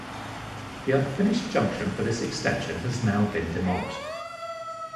The unfinished junction for this extension has now been demolished.